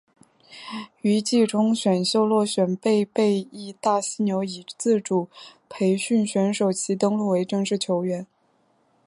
于季中选秀落选被被义大犀牛以自主培训选手其登录为正式球员。